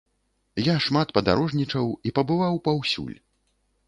Я шмат падарожнічаў і пабываў паўсюль.